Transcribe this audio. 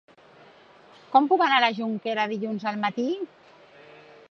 Com puc anar a la Jonquera dilluns al matí?